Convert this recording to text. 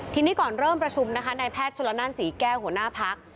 ทีนี้ก่อนเริ่มประชุมนะคะนายแพทย์ชนละนั่นศรีแก้วหัวหน้าพัก